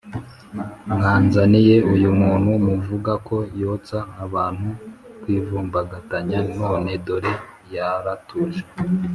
mwanzaniye uyu muntu muvuga ko yoshya abantu kwivumbagatanya none dore yaratuje